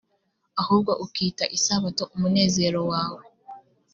ahubwo ukita isabato umunezero wawe